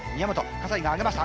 河西が上げました。